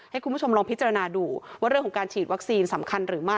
ให้คุณผู้ชมลองพิจารณาดูว่าเรื่องของการฉีดวัคซีนสำคัญหรือไม่